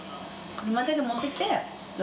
車だけ持っていって。